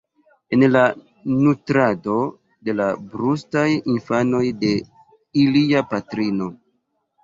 en la nutrado de la brustaj infanoj de ilia patrino.